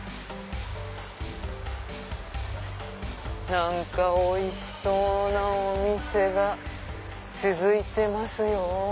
何かおいしそうなお店が続いてますよ。